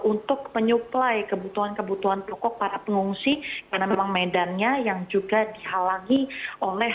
untuk menyuplai kebutuhan kebutuhan pokok para pengungsi karena memang medannya yang juga dihalangi oleh